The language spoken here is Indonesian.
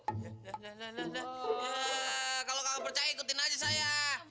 nah nah nah nah kalau kagak percaya ikutin aja saya